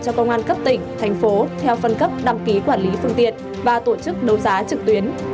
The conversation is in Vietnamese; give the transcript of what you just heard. cho công an cấp tỉnh thành phố theo phân cấp đăng ký quản lý phương tiện và tổ chức đấu giá trực tuyến